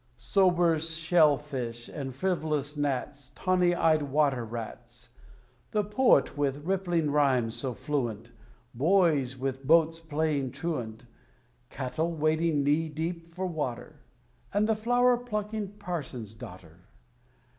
Sober shell fish and frivolous gnats, Tawny eyed water rats; The poet with rippling rhymes so fluent, Boys with boats playing truant, Cattle wading knee deep for water; And the flower plucking parson's daughter.